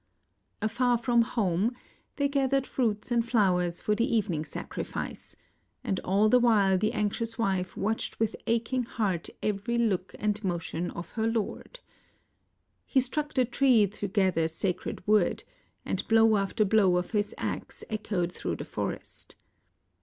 Afar from home, they gathered fruits and flowers for the evening sacrifice, and all the while the anxious wife watched with aching heart every look and motion of her lord. He struck the tree to gather sacred wood, and blow after blow of his axe echoed through the forest.